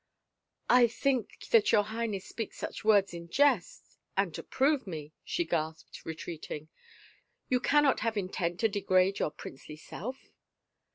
" I think that your Highness speaks such words in jest ... and to prove me," she gasped, retreating. " You cannot have intent to degrade your princely self